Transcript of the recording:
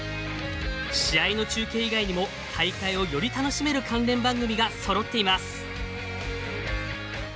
試合の中継以外にも大会を、より楽しめる関連番組がそろっています。